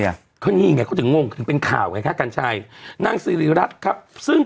เหมือนก่อนเนี้ยเนี่ยเขาจะงง